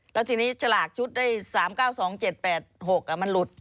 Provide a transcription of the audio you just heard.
แล้วทีนี้ฉลากชุดได้๓๙๒๗๘๖มันหลุด